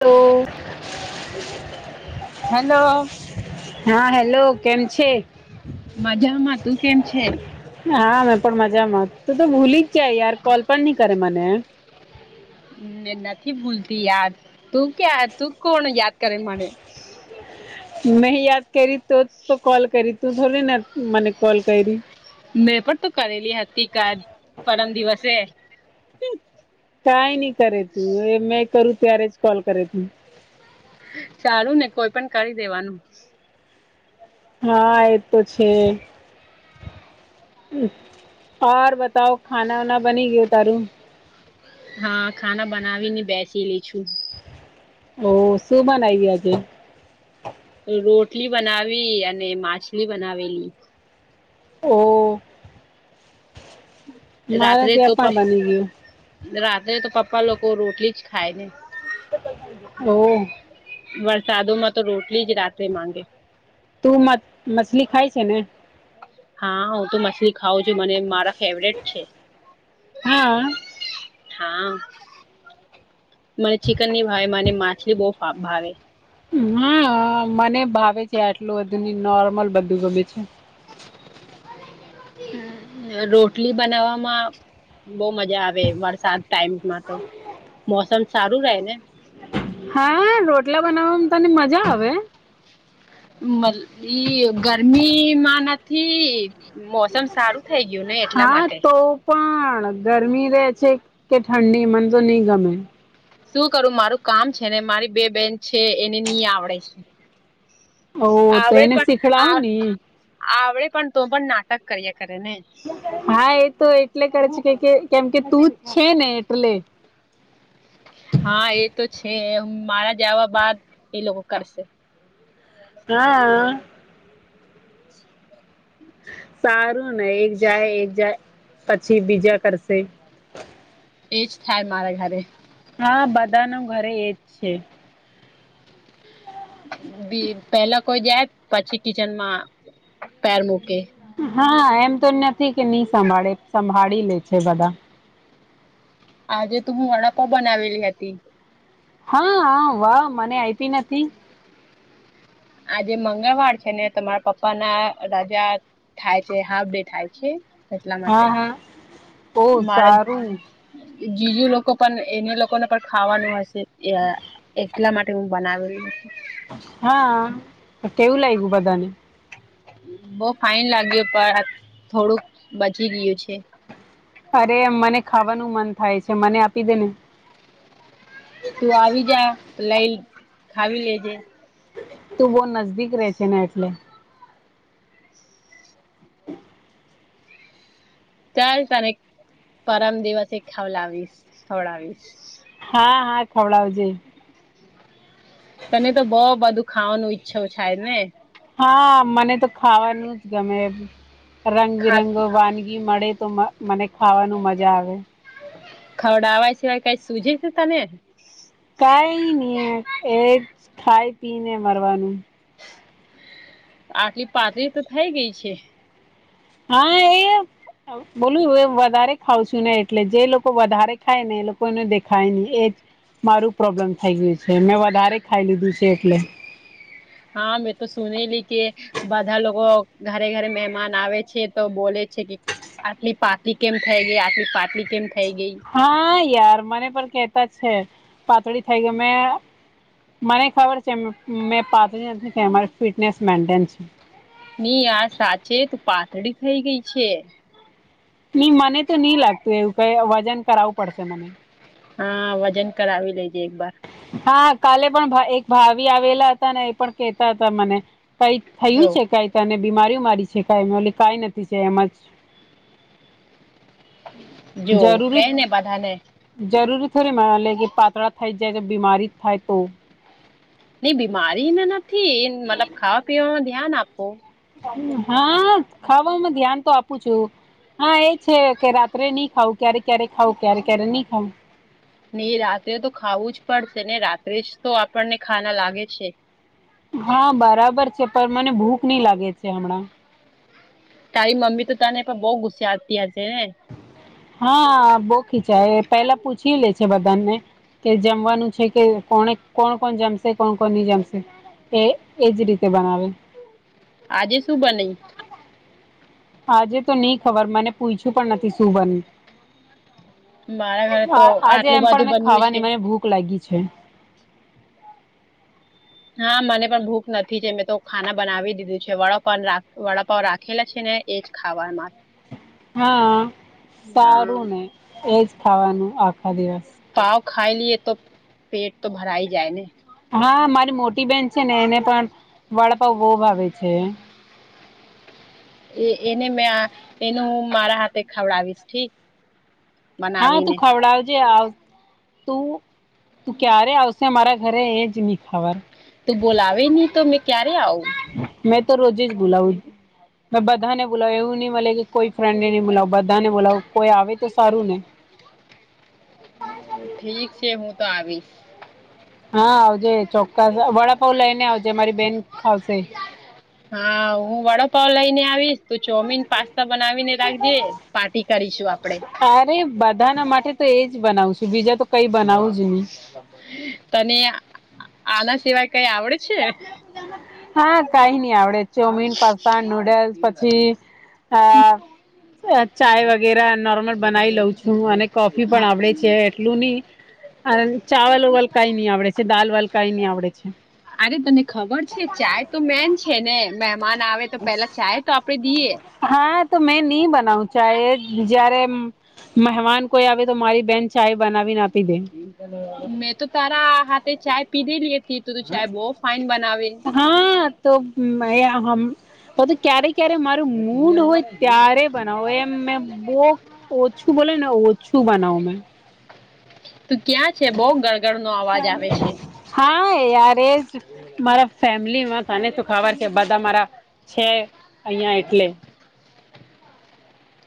તો હેલો હા હેલો કેમ છે? મજામાં તું કેમ છે? હા મેં પણ મજામાં તું તો ભૂલી જ જાય યાર કોલ પણ નહી કરે મને. નથી ભૂલતી યાદ તું ક્યા તું કોણ યાદ કરે મને મેહી યાદ કરી તો જ તો કોલ કરી તું થોડી ને મને કોલ કરી, મેં પણ તો કરેલી હતી, ક પરમ દિવસે કઈ નહી કરે તું, એ મેં કરું ત્યારે જ કોલ કરે તું. ચાલું ને કોઈ પણ કરી દેવાનું. હા, એ તો છે [inaudible] બતાવ ખાના ઉના બની ગયું તારું? હા, ખાના બનાવીને બેસી લી છું. ઓ શું બનાવી આજે રોટલી બનાવી અને માછલી બનાવેલી, ઓ મારે રાત્રે તો ત્યાં પણ પપ બની ગયું. રાત્રે તો પપ્પા લોકો રોટલી જ ખાય ને, ઓ વરસાદો માં તો રોટલી જ રાત્રે માંગે તું [unintelligible] મછલી ખાય છે ને હા, હું તો મછલી ખઉં છું મને મારા ફેવરેટ છે. હા હા, મને ચિકન નહી ભાવે મને માછલી બહુ [unintelligible] ભાવે હા, મને ભાવે છે આટલું બધું ને નોર્મલ બધું ગમે છે. રોટલી બનાવવામાં બવ મજા આવે વરસાદ ટાઈમમાં તો મોસમ સારું રહે ને હા, રોટલા બનાવવામાં તને મજા આવે [unintelligible] ગરમી માં નથી મોસમ સારું થઈ ગયું ને એટલા હા, માટે તો પણ ગરમી રે છે કે ઠંડી મને તો નહી ગમે. શું કરું મારું કામ છે ને મારી બે બેન છે એને ની આવડે છે ઓ તો આવડે એને પણ શીખડાવ આ ને આવડે પણ તો પણ નાટક કરીએ કરે ને, હા, એ તો એટલે કરે છે કે કેમ કે તું જ છે ને એટલે હા, એ તો છે મારા જવા બાદ એ લોકો કરશે. હા, સારું ને એક જાય એક જાય પછી બીજા કરશે, ઈજ થાય મારા ઘરે હા બધા નુ ઘરે એજ છે. બી પહેલા કોઈ જાય, પછી કિચનમાં પેર મૂકે હા, એમ તો નથી કે નહી સંભાળે સંભાળી લે છે બધા. આજે તું હું વડાપાવ બનાવેલી હતી. હા હા વાહ મને આપી નથી આજે મંગળવાર છે ને તમારા પપ્પા ના રાજા થાય છે, હાફ ડે થાય છે એટલા માટે હા હા ઓ મારે સારું જીજુ લોકો પણ એને લોકોને પણ ખાવાનું હશે ત્યા, એલા માટે હું બનાવેલું હા કેવું લાગ્યું બધાને? બો ફાઇન લાગ્યો પણ થોડુંક બચી ગિયું છે. અરે મને ખાવાનું મન થાય છે મને આપી દે ને. તું આવી જા લઈ ખાવી લેજે તું બવ નજદીક રે છે ને એટલે, ચાલ તને પરમ દિવસ સે ખાવ લાવવીસ ખવડાવીશ, હા હા ખવડાવજે તને તો બવ બધું ખાવાનું ઈચ્છો થાય ને હા, મને તો ખાવાનું જ ગમે ખા રંગબેરંગો વાનગી મળે તો મસ્ત મને ખાવાનું મજા આવે. ખવડાવા સિવાય કઈ સુજે છે તને? કાંઈ નીએ એજ ખાઈ પી ને મરવાનું. આટલી પાતળી તો થઈ ગઈ છે. હા એ. બોલું હવે વધારે ખાવ છું ને એટલે જે લોકો વધારે ખાય ને એ લોકો ને દેખાય નહી એજ. મારું પ્રોબ્લેમ થઈ ગયું છે મેં વધારે ખાઈ લીધું છે એટલે. હા મેં તો સુનેલી કે બધા લોકો ઘરે-ઘરે મહેમાન આવે છે, તો બોલે છે કી આટલી પાતલી કેમ થઈ ગઈ આટલી પાતલી કેમ થઈ ગઈ. હા યાર મને પણ કેતા છે, પાતળી થઈ ગઈ મે મને ખબર છે મ મેં પાતળી નથી થઇ અમારે ફિટનેસ મેન્ટનસ છે. ની યાર સાચે તું પાતળી થઈ ગઈ છે. ની મને તો ની લાગતું એવું કઈ વજન કરાવવું પડશે મને. હા વજન કરાવી લેજે એક બાર. હા કાલે પણ એક ભા ભાવિ આવેલા હતા ને એ પણ કેતા હતા મને. કઈ થયું જો છે કાંઈ તને બીમારી વિમારી છે કાંઈ મે બોલી કાંઈ નથી છે એમજ. જો કે જરૂરી ને બધા ને. જરૂરી થોરી મને લે કે પાતળા થઈ જાય તો બીમારી થાય તો નઈ બીમારીને નથી મતલબ ખાવા પીવામા ધ્યાન આપો. હા ખાવામાં ધ્યાન તો આપું છું. હા એ છે કે રાત્રે ની ખાવું ક્યારે ક્યારે ખાવ ક્યારે ક્યારે ની ખાવું. ની રાત્રે તો ખાવું જ પડશે ને રાત્રે જ તો આપણને ખાના લાગે છે. હા બરાબર છે પણ મને ભૂખ નઈ લાગે છે હમણાં. તારી મમ્મી તો તને પણ બઉુ ગુસ્સાતી હશે ને. હા બહું ખીજાય પેલા પૂછી લે છે બધાને. કે જમવાનું છે કે કોણે કોણ કોણ જમશે કોણ કોણ ની જમશે. તે એજ રીતે બનાવે. આજે શું બન્યું? આજે તો ની ખબર મને પૂયછું પણ નથી સુું બન મારા ઘરે તો આજે આટલું એમ પણ બધું મે બન્યું છે. ખાવાની મને ભૂખ લાગી છે. હા મને પણ ભૂખ નથી જે મેં તો ખાના બનાવી દીધું છે. વડાપાવ રા વડાપાવ રાખેલા છે ને એજ. ખાવામા. હા હા, સારું ને એજ ખાવાનું આખા દિવસ. પાવ ખાઈ લીએ તો પેટ તો ભરાઈ જાય ને. હા મારી મોટી બેહેન છે, ને એને પણ વાડાપાવ બહુ ભાવે છે. એ એને મેં એનું હું મારા હાથે ખવડાવીશ ઠી હા તું ખવડાવજે આવ તું તું ક્યારે આવશ છે મારા ઘરે એજ ની ખવાય. તો બોલાવે ની તો મેં ક્યારે આઉ. મેં તો રોજે જ બોલાવું. મે બધાને બોલાવું એવું ની મળે કે કોઈ ફ્રેન્ડને ની બોલાવ બધાને બોલાવ કોઈ આવે તો સારું ને. ઠીક છે, હું તો આવીશ. હા આવજે ચોક્કસ વડાપઉ લઈને આવજે મારી બેન ખાવશે. હા હું વડપાવ લઈને આવીશ. તો ચોમીન, પાસ્તા, બનાવીને રાખજે પાર્ટી કરીશું આપડે. અરે બ બધાના માટે તો એજ જ બનાવું છું બીજા તો કઈ બનાવું જ નહી. તને આ આ આના સિવાય કઈ આવડે? છે હા કઈ નહી આવડે ચોમીન, પાસ્તા નુડલ્સ, પછી અ ચાય વગેરે ન બનાવી લઉં છું અને કોફી પણ આવડે છે એટલું નહી, ચાવલ વાલ કઈ નહી આવડે છે, દાલ વાલ કઈ નહી આવડે છે. અરે તને ખબર છે ચાય તો મેન છે ને મહેમાન આવે તો પેલા ચા તો આપડે દઈએ હા તો મેં નહી બનાવ ચાય જયારે મહેમાન કોઈ આવે તો મારી બેહેન ચાય બનાવીને આપી દે. મેં તો તારા હાથે ચાય પીધે લી હતી ત ચાય બહુ ફાઇન બનાવે. હા તો મયા હમ બધું ક્યારે ક્યારે મારું મૂડ હોય ત્યારે બનાવો એમ મે બો ઓછું બોલે ને ઓછું બનાવ મેં. તું ક્યાં છે બહુ ગળગડ નો અવાજ આવે છે. હા યાર એ જ મારા ફેમિલી માં તને તો ખબર છે બધા મારા છે અહિયાં એટલે.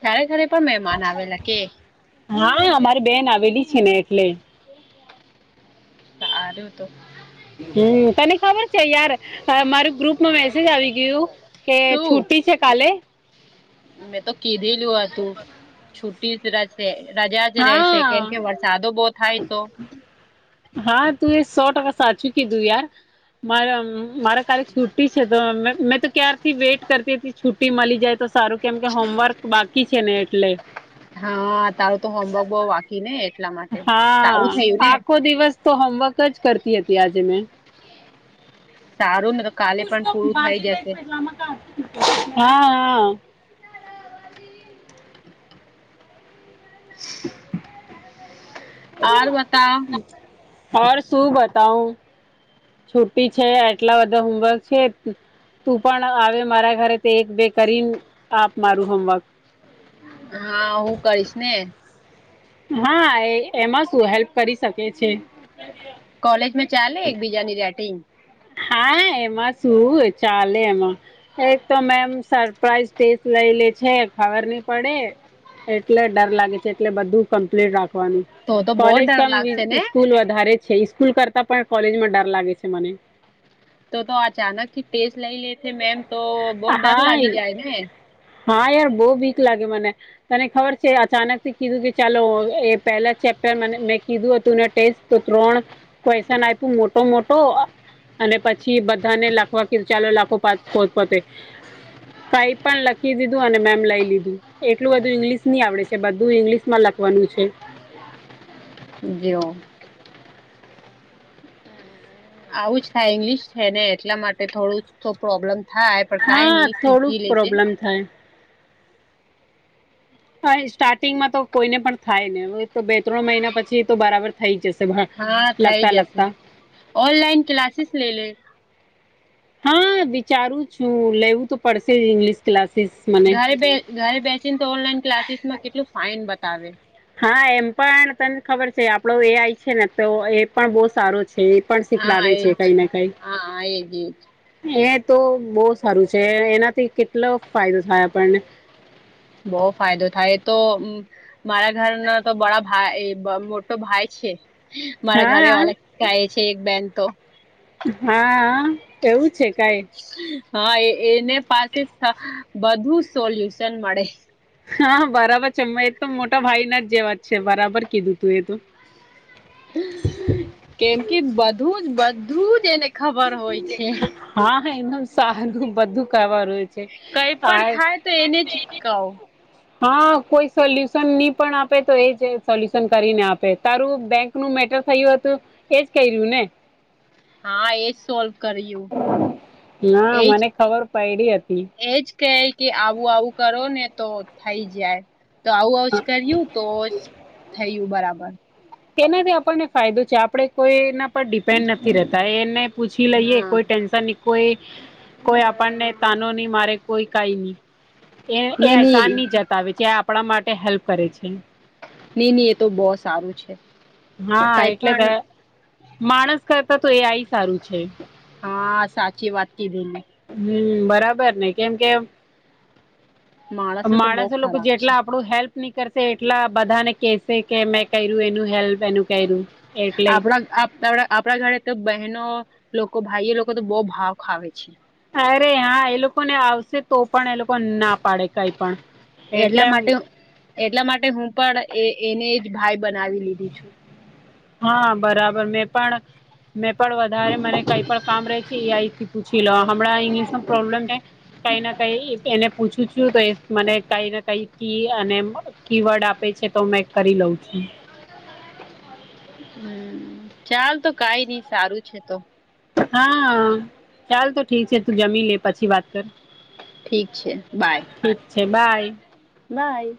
ત્યારે ઘરે પણ મહેમાન આવેલા કે. હા અમારી બેન આવેલી છે ને એટલે. આયું તો હમ તને ખબર છે યાર મારું ગ્રુપમાં મેસેજ આવી ગયું. કે શું છુટી છે કાલે મેં તો કીધીલ્યું તું છુટી. રશે રજા જ રહેશે હા કેમ કે વરસાદો બહુ થાય તો. હા તું એ સો ટકા સાચું કીધું યાર મારા મારા કાલે છુટી છે તો મેં તો ક્યારથી વેટ કરતી હતી છુટ્ટી મળી જાય તો સારું. કેમ કે હોમવર્ક બાકી છે ને એટલે હા તારું તો હોમવર્ક બહુ વાકી ને એટલા માટે સારું હા થયું ને આખો દિવસ તો હોમવર્ક જ કરતી હતી આજે મેં સારું ને કાલે પણ પૂરું થઈ જશે હા હા. [inaudible] આર બતાવ. ઓર શું બતાવુ. છુટી છે, એટલા બધા હોમવર્ક છે. તું પણ આવે મારા ઘરે તે એક બે કરીને આપ મારું હોમવર્ક હા હું કરીશ ને હા એ એમાં શું હેલ્પ કરી શકે છે. કોલેજ મે ચાલે એકબીજાની રેટિંગ હા એમાં શું ચાલે એમાં એક તો મેમ સરપ્રાઈઝ ટેસ્ટ લઈ લે છે ખબર નહી પડે. એટલે ડર લાગે છે એટલે બધું કમ્પ્લીટ રાખવાનું. તો તો બહુ કોલેજ ડર કામ લાગશે ને. સ્કૂલ વધારે છે સ્કૂલ કરતા પણ કોલેજમાં ડર લાગે છે મને. તો તો અચાનક કે ટેસ્ટ લઈ લે મેમ તો બહુ ડર લાગી હા જાય ને. હા યાર બહુ વિક લાગે મને. તને ખબર છે અચાનક થી કીધું કે ચાલો એ પહેલા ચેપ્ટર મે કીધું હતું ટેસ્ટ તો ત્રણ ક્વેશન આપ્યું મોટો મોટો. અને પછી બધાને લખવા કીધું ચાલો લાખો પો પો તતે કઈ પણ લખી દીધું અને મેમ લઈ લીધું. એટલું બધું ઈંગ્લિશ ની આવડે છે બધું ઈંગ્લિશ માં લખવાનું છે. [unintelligible] આવું જ થાય ઈંગ્લિશ છે ને એટલા માટે થોડું પ્રોબ્લેમ થાય. પણ કઈ હા નહી થોડુંક શીખી લે છે. પ્રોબ્લેમ થાય હા સ્ટાર્ટિંગમાં તો કોઈને પણ થાય ને હવે તો બે ત્રણ મહિના પછી તો બરાબર થઈ જશે તગ હા બધા લગતા લગતા ઓનલાઇન ક્લાસીસ લેય લે. હા વિચારું છું લેવું તો પડશે જ ઇંગ્લિશ ક્લાસીસમાં ઘરે બે ઘરે બેસીને તો ઓનલાઈન ક્લાસીસ માં કેટલું ફાઇન બતાવે હા એમ પણ તને ખબર છે આપડો એ આઈ છે ને તો એ પણ બહુ સારો છે. પણ હા શીખડાવે છે એજ કઈ ને કઈ હા હા એજ એજ એ તો બહુ સારું છે એનાથી કેટલો ફાયદો થાય આપણને બહુ ફાયદો થાય એતો મારા ઘરના તો બડા ભાઈ મોટો ભાઈ છે. મારા ઘરે અલગ હા ગાય છે એક બેન તો હા એવું છે કઈ હા એ એને પાસે બધુ સોલ્યુશન મળે હા બરાબર છે મે એક તો મોટા ભાઈ ના જ જેવા જ છે બરાબર કીધું તું એ તો. કેમ કે બધું જ બધું જ એને ખબર હોય છે. હા એ સારું બધું કવાનુંય છે કઈ પણ આ થાય તો એને જ કહો હા કોઈ સોલ્યુશન ની પણ આપે તો એ જ સોલ્યુશન કરીને આપે તારું બેંક નું મેટર થયું હતું એજ ક્યું ને. હા એજ સોલ્વ કર્યું હા એજ મને ખબર પયડી હતી એજ ક કે આવું આવું કરો ને તો થઈ જાય તો આવું આવુ જ કર્યું તો જ થયું બરાબર તેનાથી આપણને ફાયદો છે આપણે કોઈ એના પર ડિપેન્ડ નથી રહેતા એને પૂછી લઈએ હા કોઈ ટેન્શન ની કોઈ કોઈ આપણને તાનો નહી મારે કોઈ કઈ નહી એ નઈ એ એસાન નઈ નની જત બતાવે છે આ આપણા માટે હેલ્પ કરે છે. નઈ નહી એ તો બહુ સારું છે. હા કઈ પણ એટલે માણસ કરતા તો એ આય સારું છે. હા સાચી વાત કીધી ને. હમ્મ બરાબર ને કેમ કે માણસો તો બહુ માણસ લોકો ખરાબ છે જેટલા આપણું હેલ્પ ની કરશે એટલા બધા ને કેશે કે મેં કર્યું એનું હેલ્પ એનું કર્યું એટલે આપણા આપણા ઘરે તો બહેનો લોકો ભાઈ એ લોકો તો બહુ ભાવ ખાવે છે. અરે હા એ લોકો ને આવશે તો પણ એ લોકો ના પાડે કઈ પણ એટલે એટલા માટે એટલા માટે હું પણ એ એને જ ભાઈ બનાવી લીધી છું. હા બરાબર મેં પણ મેં પણ વધારે મને કઈ પણ કામ રે છે એ આઈ થી પૂછી લઉ હમણાં ઇંગ્લિશમાં પ્રોબ્લેમ છે. કઈ ના કઈ એને પૂછું છું તો એ મને કઈ ના કઈ કી અને કી વર્ડ આપે છે તો મેં કરી લઉં છું. હમ્મ ચાલ તો કઈ નહી સારું છે તો. હા ચાલ તો ઠીક છે તું જમી લે પછી વાત કર ઠીક છે અચ્છા બાય હા એ જ.